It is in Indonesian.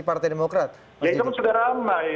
partai demokrat ya kan sudah ramai